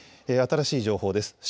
新しい情報です。